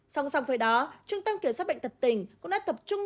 song song với đó trung tâm kiểm soát bệnh tật tỉnh cũng đã tập trung